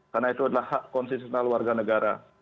karena itu adalah hak konsistensional warga negara